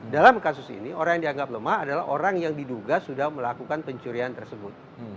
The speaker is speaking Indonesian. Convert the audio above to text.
dalam kasus ini orang yang dianggap lemah adalah orang yang diduga sudah melakukan pencurian tersebut